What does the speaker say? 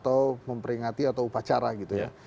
atau memperingati atau upacara gitu ya